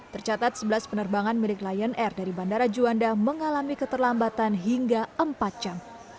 tercatat sebelas penerbangan milik lion air dari bandara juanda mengalami keterlambatan hingga empat jam